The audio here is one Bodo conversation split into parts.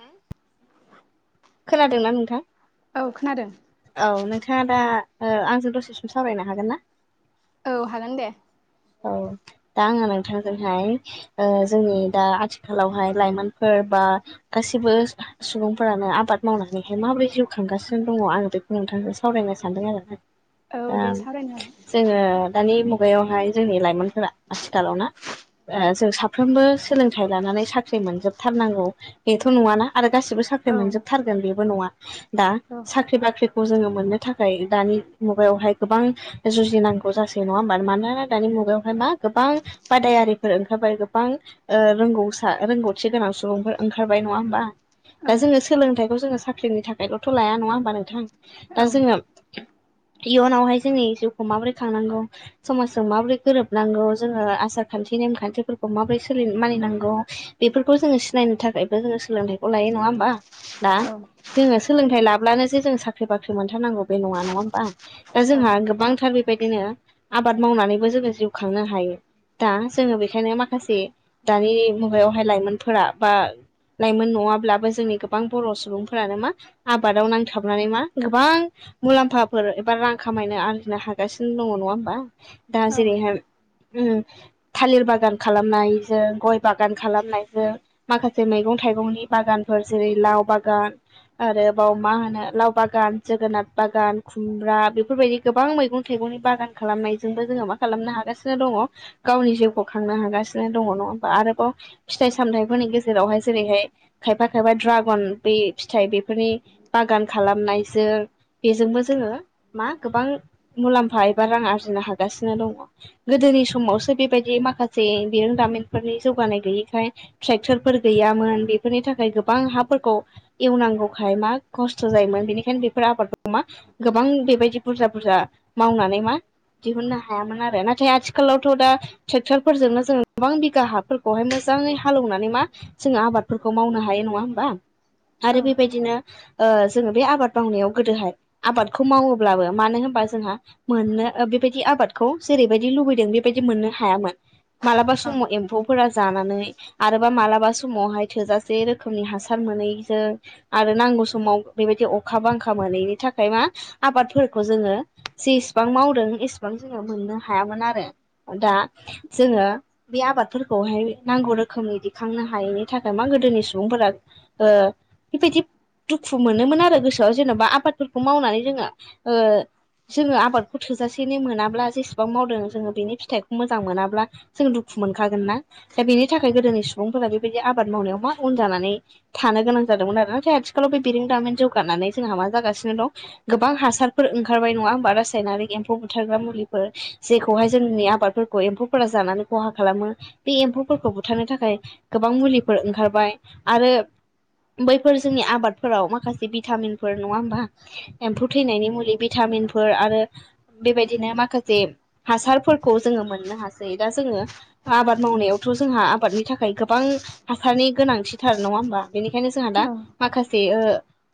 ह [unintelligible] खोनादोंना नोंथां औ खोनादों औ नोंथाङा दा ओ आंजों दसे सम सावरायनो हागोन ना औ हागोन दे जोंहाय ओ जोंनि दा आथिखालावहाय लाइमोनफोर बा गासिबो सुबुंफोरानो आबाद मावनानैहाय माबोरै जिउ खांगासिनो दङ आङो बेखौ नोंथांनोसो सावरायनो सानदों आरो दा औ दे सावरायनो जोङो दानि मु गायावहाय जोंनि लाइमोनफोरा आथिखालाव ना जों साफ्रोमबो सोलोंथाइ लानानै साख्रि मोनजोबथारनांगौ बेथ' नङाना आरो गासिबो साख्रि हागोन मोनजोबथारगोन बेबो नङा दा औ साख्रि बाख्रिखौ जोङो मोननो थाखाय दानि मुगायावहाय गोबां जुजिनांगौ जासै नङा होम्बा मानोना दानि मुगायावहाय मा गोबां बादायारिफोर ओंखारबाय गोबां रगौ रोंगौथि गोनां सुबुंफोर ओंखार खारबाय नङा होमबा औ दा जोङो सोलोंथाइखौ जोङो साख्रिनि थाखायल'थ' लाया नङा होम्बा नोंथां औ दा जोङो इयुनावहाय जोंनि जिउखौ माबोरै खांनांगौ समाजजों माबोरै गोरोबनांगौ जोङो आसार खान्थि नेमखान्थिफोरखौ माबोरै सोलाय मानिनांगौ बेफोरखौ जोङो सिनायनो थाखाय जोङो सोलोंथाइखौ लायो नङा होनबा दा औ जोङो सोलोंथाइ लाब अब्लानो जों साख्रि बाख्रि मोनथारांगौ बे नङा नङा होनबा दा औ जोंहा गोबांथार बे बेबायदिनो आबाद मावनानैबो जोङो जिउ खांनो हायो दा जोङो बेखायनो माखासे दानि मुगायावहाय लाइमोनफोरा बा लाइमोन नङाब्लाबो जोंनि गोबां बर' सुबुंफोरानो मा आबादाव नांथाबनानै मा गोबां मुलाम्फाफोर एबा रां खामायनो आरजिनो हागासिनो दङ नङा होम्बा दा औ औ जेरैहाय उम थालिर बागान खालामनायजों गय बागान खालामनायजों माखासे मैगं थाइगंनि बागानफोर जेरै लाव बागान आरो बाव मा होनो लाव बागान जोगोनाथ बागान खुमब्रा बेफोरबायदि गोबां मैगं थाइगं बागान खालामनायजोंबो जोङो मा खालामनो हागासिनो दङ गावनि जिउखौ खांनो हागासिनो दङ नङाहोम बा आरोबाव फिथाइ सामथायफोरनि गेजेर जेरावहाय जेरैहाय खायफा खायफा द्रागन बे फिथाइ बेफोरनि बागान खालामनायजों बेजोंबो जोङो मा गोबां मुलाम्फा एबा रां आरजिनो हागासिनो दङ गोदो गोदोनि समावसो बेबायदि माखासे बिरोंदामिनफोरनि जौगानाय गैयैखाय ट्रेक्टर फोर गैयामोन बेफोरनि थाखाय गोबां हाफोरखौ एवनांगौखाय मा खस्थ' जायोमोन बेनिखायनो बेफोर आबादखौ मा गोबां बेबायदि बुरजा बुरजा मावनानै मा दिहुननो हायामोन आरो नाथाय आथिखालावथ' दा ट्रेक्टरफोरजोंनो जोङो गोबां बिघा हाफोरखौहाय मो जाङै हालेवनानै मा जोङो आबादफोरखौ मावनो हायो नङा होम्बा औ आरो बेबायदिनो ओ जोङो बे आबाद मावनायाव गोदोहाय आबादखौ मावोब्लाबो मानो होनबा जोंहा मोननो बेबायदि आबादखौ जेरैबायदि लुबैदों बेबायदि मोननो हायामोन मालाबा समाव एम्फौफोरा जानानै आरोबा मालाबा माबा समावहाय थोजासे रोखोमनि हासार मोनैजों आरो नांगौ समाव बेबायदि अखा बां। खामानिनि थाखाय मा आबादफोरखौ जोङो जेसेबां मावदों एसेबां जोङो मोननो हाया मोन आरो दा जोङो आबादफोरखौ नांगौ रोखोमनि खांनो हायैनि थाखाय मा गोदोनि सुबुंफोरा ओ बेबायदि दुखु मोनोमोन आरो गोसोआव जेन'बा आबादफोरखौ मावनानै जोङो ओ जोङो आबादखौ थोजासेनो मोनाब्ला जेसेबां मावदों जोङो बेनि फिथाइखौ मोजां मोनाब्ला जोङो दुखु मोनखागोन ना। दा बेनि थाखाय गोदोनि सुबुंफोरा बेबायदि आबाद मावनायाव मा उन जानानै थानो गोनां जादोंमोन आरो नाथाय आथिखालाव बे बिरोंदामि जौगानानै जोंहा मा जागासिनो दं गोबां हासारफोर ओंखारबाय नङा? होमबा रासायनारि एम्फौ बुथारग्रा मुलिफोर जेखौहाय जोंनि आबादफोरखौ एम्फौफोरा जानानै खहा खालामो बे एम्फौफोरखौ बुथारनो थाखाय। गोबां मुलिफोर ओंखारबाय आरो बैफोर जोंनि आबादफोराव माखासे भिटामिनफोर नङा होमबा एम्फौ थैनायनि मुलि भिटामिन मिनफोर आरो बेबायदिनो माखासे हासारफोरखौ जोङो मोननो हासै दा जोङो आबाद मावनायावथ' जोंहा आबादनि नि थाखाय गोबां हासारनि गोनांथिथार नङा होमबा बेनिखायनो जोंहा दा माखासे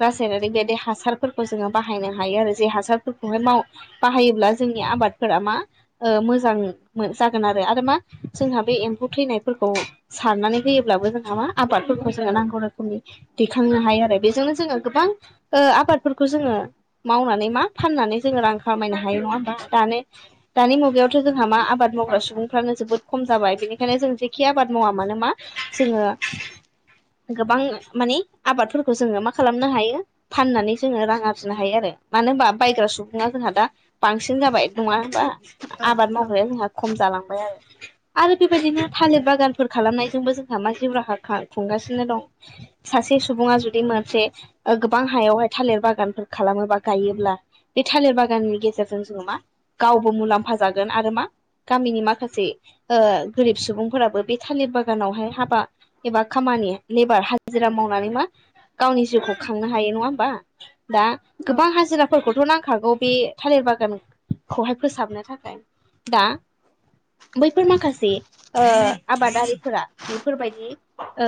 रासायनारिक बेदि हासारफोरखौ जोङो बाहायनो हायो आरो जे हासारफोरखौहाय बाहायोब्ला जोङ जोंनि आबादफोरा मा मोजां जागोन आरो आरो मा जोंहा बे एम्फौ थैनायफोरखौ सारनानै होयोब्लाबो जोंहा मा आबादफोरखौ जोङो नांगौ रोखोमनि दैखांनो हायो आरो बेजोंनो जोङो गोबां आबादफोरखौ जोङो मावनानै मा फाननानै जोङो रां खामायनो हायो नङा होम दानो दानि मुगायावथ' जोंहा मा आबाद मावग्रा सुबुंफ्रानो जोबोद खम जाबाय बेनिखायनो जों जेखि आबाद मावा मानो मा जोङो गोबां माने आबादफोरखौ जोङो मा खालामनो हायो फाननानै जोङो रां आरजिनो हायो आरो मानो होनबा बायग्रा सुबुङा जोंहा दा बांसिन जाबाय नङा होमबा आबाद मावग्राया जोंहा खम जालांबाय आरो आरो बेबायदिनो थालिर बागान फोर खालामनायजोंबो जोंहा मा जिउ राहा खुंगासिनो दं सासे सुबुङा जुदि मोनसे गोबां हायावहाय थालिर बागानफोर खालामोबा गायोब्ला बे थालिर बागाननि गेजेरजों जोङो मा गावबो मुलाम्फा जागोन आरो मा गामिनि माखासे गोरिब सुबुंफोराबो बे थालिर बागानावहाय हाबा एबा खामानि लेबार हाजिरा मावनानै मा गावनि जिउ खांनो हायो नङा हबा दा गोबां हाजिराफोरखौथ' नांग खागौ बे थालिर बागानखौहाय फोसाबनो थाखाय दा बैफोर माखासे ओ आबादारिफोरा बेफोरबायदि ओ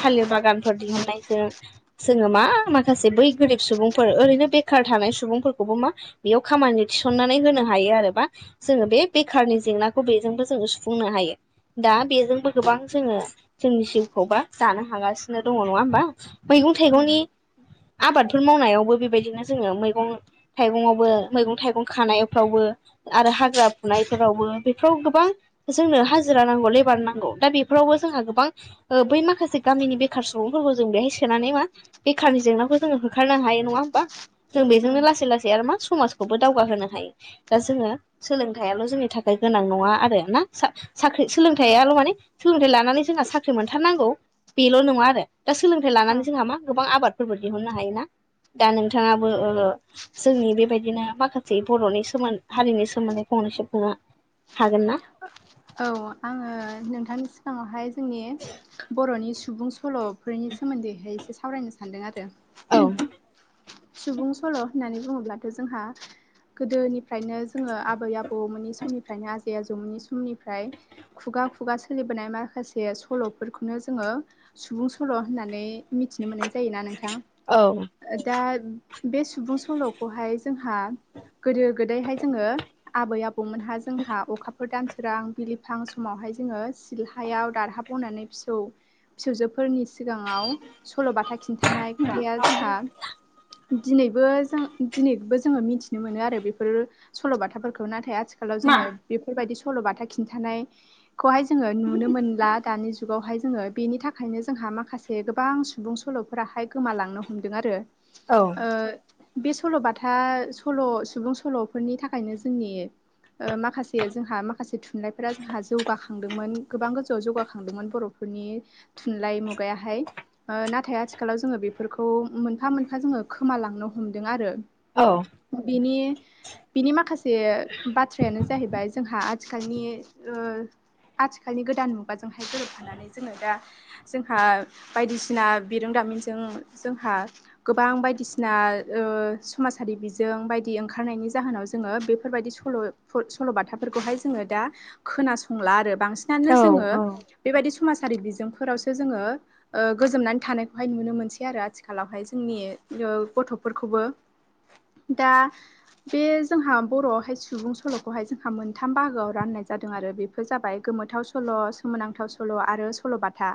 थालिर बागानफोर दिहुननायजों जोङो मा माखासे बै गोरिब सुबुंफोर ओरैनो बेखार थानाय सुबुंफोरखौबो मा बेयाव खामानि थिसननानै होनो हायो आरो मा जोङो बे बेखारनि जें नाखौ बेजोंबो जों सुफुंनो हायो दा बेजोंबो गोबां जोङो जोंनि जिउखौबा दानो हागासिनो दङ नङा होमबा मैगं थाइगंनि आबादफोर मावनायावबो बेबायदिनो जोङो मैगं थाइगंआवबो मैगं थाइगं खानायफ्रावबो आरो हाग्रा फुनायफोरावबो बेफोराव गोबां जोंनो हाजिरा रा नांगौ लेबार नांगौ दा बेफोरावबो जोंहा गोबां बै माखासे गामिनि बेखार सुबुंफोरखौ जों बेाय स होनानै मा बेकारनि जेंनाखौ होखारनो हायो नङा होमबा जों बेजोंनो लासै लासै आरो मा समाजखौबो दावगाहोनो हायो दा जोङो सोलोंथायाइल' जोंनि थाखाय गोनां नङा आरो ना साख्रि औ सोलोंथाइयाल' माने सोलोंथाइ लानानै जोंहा साख्रि मोनथारनांगौ बेल' नङा आरो दा सोलोंथाइ औ लानानै जोंहा मा गोबां आबादफोरबो दिहुननो हायोना दा नोंथाङाबो जोंनि बेबायदिनो माखासे जै बर'नि सोमोनदै हारिनि सोमोन्दै फंनै सिबफुंनो हागोन ना औ आङो नोंथांनि सिगाङावहाय जोंनि बर'नि सुबुं सल'फोरनि सोमोन्दैहाय एसे सावरायनो सान्दों आरो औ। सुबुं सल' होननानै बुङोब्लाथ' जोंहा गोदोनिफ्रायनो जोङो आबै आबौमोननि समनिफ्रायनो आजै आजौमोननि सम सम निफ्राय खुगा खुगा सोलिबोनाय माखासे सल'फोरखौनो जोङो सुबुं सल' ‌होननानै मिथिनो मोननाय जायोना नोंथां? औ ओ- दा बे सुबुं सल'खौहाय जोंहा गोदो गोदायहाय जोङो आबै आबौमोनहा जोंहा अखाफोर दानस -सोरां बिलिफां समावहाय जोङो सिलहायाव दारहा बनानै फिसौ फिसौजोफोरनि सिगाङाव सल'बाथा खिन्थानाय खोथाया जोंहा दिनैबो जों दिनैबो जों-जोङो मिथिनो मोनो आरो बेफोरो सल'बाथाफोरखौ नाथाय आथ थिखालाव जोङो बेफोरबायदि सल'बाथा खिन्थानायखौहाय जोङो नुनो मोनला दानि जुगावहाय जोङो बेनि थाखायनो जोंहा माखासेबां सुबुं सल'फोराहाय गोमालांनो हमदों आरो। औ ओ- बे सल'बाथा सल' सुबुं सल'फोरनि थाखायनो जोंनि। ओ-माखासे जोंहा माख माखासे थुनलाइफोरा जोंहा जौगाखांदोंमोन गोबां गोजौआव जौगाखांदोंमोन बर'फोरनि थुनलाइ मु गायाहाय। ओ-नाथाय आथिखालाव जोङो बेफोरखौ मोनफा मोनफा जोङो खोमालांनो हमदों आरो। बिनि बिनि माखासे बाथ्रायानो जाहैबाय जोंहा। आथिखालनि ओ- आथिखालनि गोदान मुगाजोंहाय गोरोबफानानै जोङो दा जोंहा बायदिसिना बिरोंदा मिनजों जोंहा गोबां बायदिसिना ओ-समाजारि बिजों बायदि ओंखार। बोनायनि जोनाव जोङो बेफोरबायदि सल'-सल'बाथाफोरखौहाय। जोङो दा खोनासंला आरो बांसिन जोङो बेबायदि। समाजारि बिजोंफोरावसो जोङो ओ-गोजोननानै थानायखौहाय नुनो मोनसै आरो आथिखालावहाय जोंनि ओ-गथ'फोरखौबो दा बे जोंहा बर'आवहाय सुबुं सल'खौहाय जोंहा मोनथा नथाम बाहागोआव राननाय जादों आरो बेफोर जाबाय गोमोथाव सल' सोमोनांथाव सल' आरो सल'बाथा।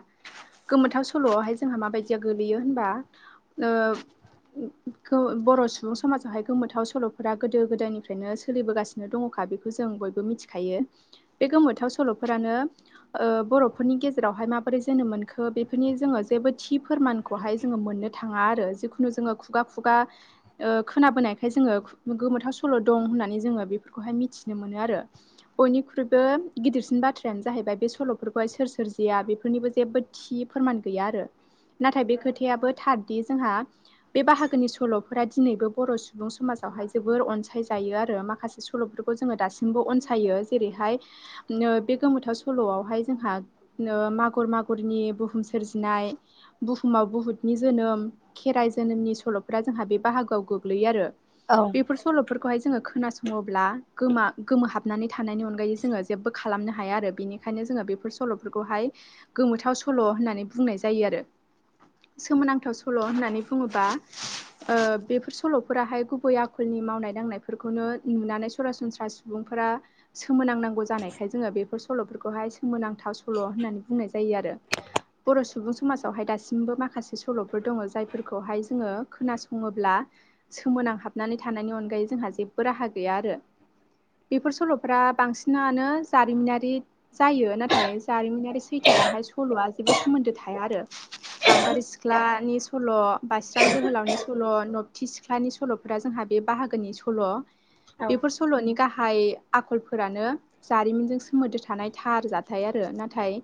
गोमोथाव सल'आवहाय जोंहा माबायदिया गोलैयो होनबा? ओ- खौ बर' सुबुं समाजावहाय गोमोथाव सल'फोरा गोदो गोदायनिफ्रायनो सोलिबोगासिनो दंखा बेखौ जों बय बो मिथिखायो बे गोमोथाव सल'फोरानो ओ-बर'फोरनि गेजेरावहाय माबोरै जोनोम मोन मोनखो बेफोरनि जोङो जेबो थि फोरमानखौहाय जोङो मोननो थाङा आरो जिखुनु जोङो खुगा खुगा ओ-खोनाबोनायखाय जोङो गोमोथाव सल' दं होननानै जोङो बेफोरखौहाय मिथिनो मोनो आरो। बयनिख्रुइबो गिदिरसिन बाथ्रायानो जाहैबाय बे सल'फोरखौहाय सोर सोरजिया बेफोरनिबो जेबो थि फोरमान गैया आरो नाथाय बे खोथायाबो थारदि जोंहा बे बाहागोनि सल' फोर दिनैबो बर' सुबुं समाजावहाय जोबोर अनसायजायो आरो माखासे सल'फोरखौ जोङो दासिमबो अनसाय यो जेरैहाय बे- नो-गोमोथाव सल'आवहाय जोंहा ओ-मागुर मागुरनि बुहुम सोरजिनाय बुहुमाव बुहुतनि जोनोम, खेराइ जोनोमनि सल'फोरा जोंहा बे बाहागोआव गोग्लैयो आरो। बेफोर सल'फोरखौहाय जोङो खोनासङोब्ला गोमा-गोमोहाब बनानै थानायनि अनगायै जोङो जेबो खालामनो हाया आरो बेनिखायनो जोङो बेफोर सल'फोरखौहाय गोमोथाव स सल' होननानै बुंनाय जायो आरो। सोमोनांथाव सल' होननानै बुङोबा ओ-बेफोर सल'फोराहाय गुबै आखलनि नि मावनाय दांनायफोरखौनो नुनानै सरासनस्रा सुबुंफोरा। सोमोनांनांगौ जानायखाय जोङो बेफोर सल'फोरखौहाय सोमोनांथाव सल' होननानै बुंनाय जायो आरो। बर' सुबुं समाजावहाय दासिमबो माखासे सल'फोर दङ जायफोरखौहाय जोङो खोनासङोब ब्ला सोमोनां हाबनानै थानायनि अनगायै जोंहा जेबो राहा गैया आरो बेफोर सल' फ्रा बांसिनानो जारिमिनारि जायो नाथाय जारिमिनारि सैथोजोंहाय सल'आ जे सोमोनदो थाया आरो। गाम्बारि सिख्लानि सल', बासिराम जोहोलावनि सल' थि सिख्लानि सल'फोरा जोंहा बे बाहागोनि सल'। बेफोर सल'नि गाहाय आखलफोरानो जारिमिनजों सोमोन्दो थानाय थार जाथाय आरो नाथाय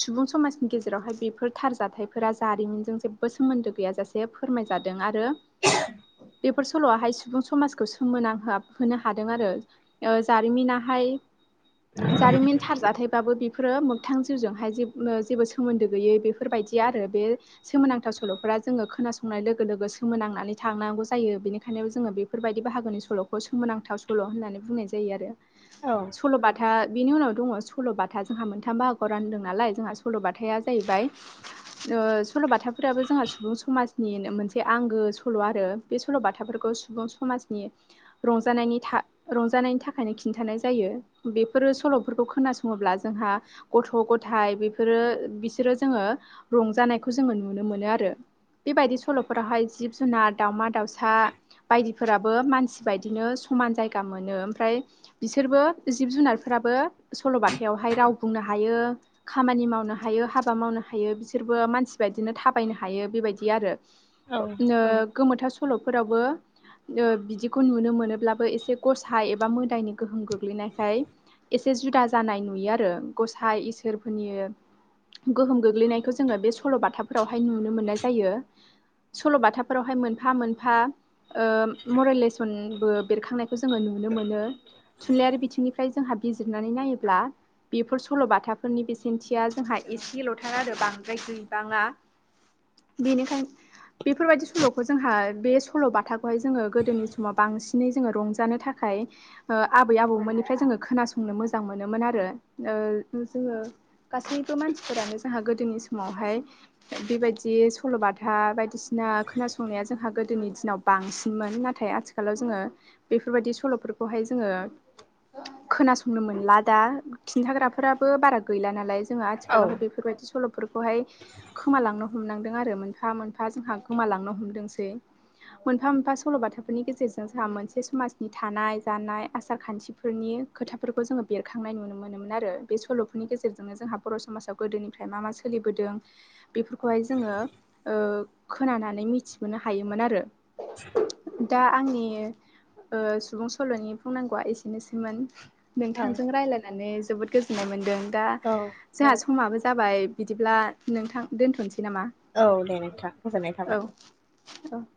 सुबुं समाजनि गेजेरावहाय बेफोर थार जाथायफोरा जारिमिनजों जेबो सोमोन्दो गैयाजासे फोरमायजादों आरो। बेफोर सल'आहाय सुबुं समाजखौ सोमोनां होनो हादों आरो। ओ-जारिमिनहाय जारिमिन थार जाथाय। बाबो बेफोरो मोगथां जिउजोंहाय जेबो सोमोन्दो गैयै बेफोरबायदि आरो बे सोमोनांथाव सल'फोरा जोङो खोनासंनाय लोगो लोगो सोमोनांनानै थांनांगौ जायो बेनिखायनोबो जोङो बेफोरबायदि बाहागोनि स' सल'खौ सोमोनांथाव सल' होननानै बुंनाय जायो आरो औ सल'बाथा बिनि उनाव दङ सल'बाथा जोंहा मोनथाम बाहागोआव रानदों नालाय जोंहा सल'बाथाया जाहैबाय सल'बाथाफोराबो जोंहा सुबुं समाजनि मोनसे आंगो सल' आरो बे सल'बाथाफोरखौ गुब समाजनि रंजानायनि रंजानायनि थाखायनो खिन्थानाय जायो बेफोरो सल'फोरखौ खोनासङोब्ला जोंहा गथ' गथाय बेफोर रो बिसोरो जोङो रंजानायखौ जोङो नुनो मोनो आरो बेबायदि सल 'फोरावहाय जिब जुनार दावउमा दाउसा बायदिफोराबो मानसि बायदिनो समान जायगा मोनो ओमफ्राय बिसोरबो जिब जुनारफोराबो सलबाथायावहाय राव बुंनो हायो खामानि मानि मावनो हायो हाबा मावनो हायो बिसोरबो मानसि बादिनो थाबायनो हायो बेबायदि आरो अ नो गोमोथाव सु सलफोरावबो ओ बिदिखौ नुनो मोनोब्लाबो एसे गसाइ एबा मोदायनि गोहोम गोग्लैनायखाय एसे जुदा जानाय नुयो आरो गसाइ इसोरफोरनि गोहोम गोग्लैनायखौ जोङो बे सल बाथाफोरावहाय नुनो मोननाय जायो सल' बाथाफोरावहाय मोनफा मोनफा ओ मरेलेसनबो बेरखांनायखौ जोङो नु नुनो मोनो थुनलाइयारि बिथिंनिफ्राय जोंहा बिजिरनानै नायोब्ला बेफोर सलबाथाफोरनि बेसेनथिया जोंहा एसेलथार आरो बांद्राय गैबाङा बेनिखायनो बेफोरबायदि सलखौ जोंहा बे सलबाथाखौहाय जोङो गोदोनि समाव बांसिनै जोङो रंजानो थाख खाय आबै आबौमोननिफ्राय जोङो खोनासंनो मोजां मोनोमोन आरो ओ जोङो गासैबो मानसिफोरानो जाहा गोदोनि समावहाय बेबायदि सल 'बाथा बायदिसिना हा खोनासंनाया जोंहा गोदोनि दिनाव बांसिनमोन नाथाय आथिखालाव जोङो बेफोरबायदि स सल 'फोरखौहाय जोङो खोनासंनो मोनला दा खिन्थाग्राफोराबो बारा गैला नालाय जोङो आथिखालावहाय बेफोरबायदि सलफोरखौहाय खोमालांनो ह हमनांदों आरो मोनफा मोनफा जोंहा गोमालांनो हमदोंसै मोनफा मोनफा सल'बाथाफोरनि गेजेरजों जोंहा मोनसे समाज थानाय जानाय आसार खान्थिफोरनि खोथाफोरखौ जोङो बेरखांनाय नुनो मोनोमोन आरो बे सल' नि गेजेरनो जोंहा बर समाजाव गोदोनिफ्राय मा मा सोलिबोदों बेफोरखौहाय जोङो ओ खोनानानै मिथिनोबोनो हायोमोन आरो दा आंनि ओ सुबुं सलनि बुंनांगौआ एसेनोसैमोन औ नोंथांजों रायलायनानै जोबोद गोजोननाय मोन्दों दा औ जाहा समाबो जाबाय बिदिब्ला नोंथां दोनथनोसै नामा औ दे नोंथां गोजोननाय थाबाय। औ औ [inaudible]